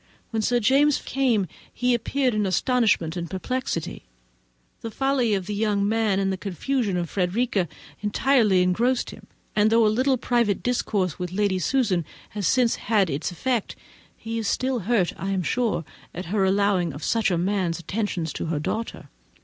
When Sir James came, he appeared all astonishment and perplexity; the folly of the young man and the confusion of Frederica entirely engrossed him; and though a little private discourse with Lady Susan has since had its effect, he is still hurt, I am sure, at her allowing of such a man's attentions to her daughter.